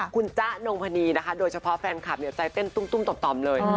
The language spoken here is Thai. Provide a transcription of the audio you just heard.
คุณจ๊ะนงพนีนะคะโดยเฉพาะแฟนคลับใจเต้นตุ้มต่อมเลย